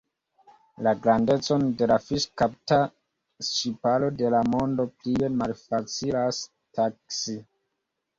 La grandecon de la fiŝkapta ŝiparo de la mondo plie malfacilas taksi.